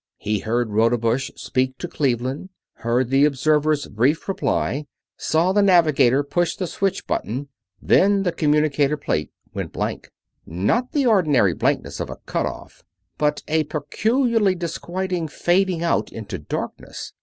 He heard Rodebush speak to Cleveland; heard the observer's brief reply; saw the navigator push the switch button then the communicator plate went blank. Not the ordinary blankness of a cut off, but a peculiarly disquieting fading out into darkness.